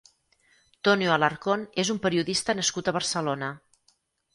Tonio Alarcón és un periodista nascut a Barcelona.